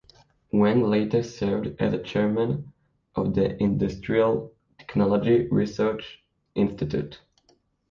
Weng later served as chairman of the Industrial Technology Research Institute.